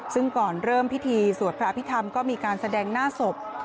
ซึ่งก่อนเริ่มพิธีสวดพระอภิษฐรรมก็มีการแสดงหน้าศพ